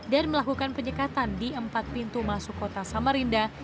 dan melakukan penyekatan di empat pintu masuk kota samarinda